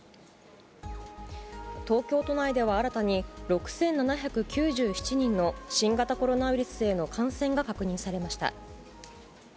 東京都内では新たに６７９７人の新型コロナウイルスへの感染が確認されました。